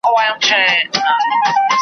هره دقيقه او ساعت دونه ارزښت لري چي هېڅ ځای